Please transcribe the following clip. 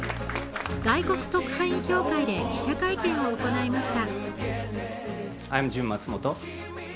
外国特派員協会で記者会見を行いました。